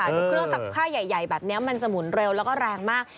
ดูเครื่องซักผ้าใหญ่แบบนี้มันจะหมุนเร็วแล้วก็แรงมาก